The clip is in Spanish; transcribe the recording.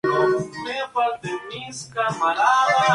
Es un árbol pequeño, glabro.